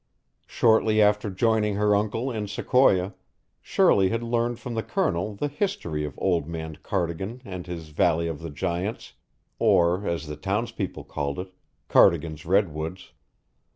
Shortly after joining her uncle in Sequoia, Shirley had learned from the Colonel the history of old man Cardigan and his Valley of the Giants, or as the townspeople called it, Cardigan's Redwoods.